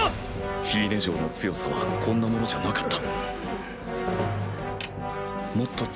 フィーネ嬢の強さはこんなものじゃなかった。